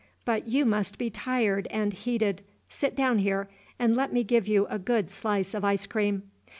But you must be tired and heated; sit down here, and let me give you a good slice of ice cream.